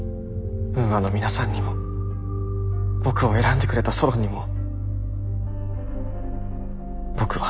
ウーアの皆さんにも僕を選んでくれたソロンにも僕は。